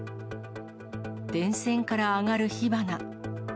電線から上がる火花。